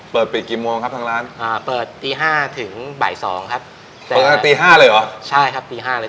เปิดปิดกี่โมงครับทางร้านอ่าเปิดตีห้าถึงบ่ายสองครับเปิดตั้งแต่ตีห้าเลยเหรอใช่ครับตีห้าเลย